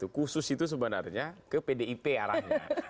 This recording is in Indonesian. khusus itu sebenarnya ke pdip arahnya